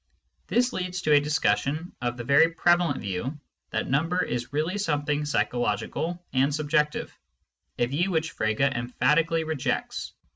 This leads to a discussion of the very prevalent view that number is really something psychological and subjective, a view which Frege emphatically rejects.